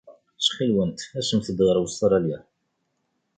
Ttxil-went, asemt-d ɣer Ustṛalya.